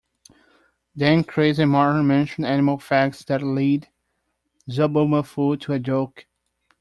Then Chris and Martin mention animal facts that lead Zoboomafoo to a joke.